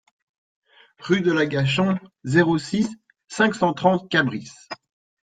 Rue de l'Agachon, zéro six, cinq cent trente Cabris